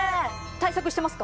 対策してますか？